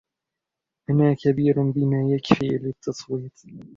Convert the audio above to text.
أنا كبير بما يكفي للتصويت.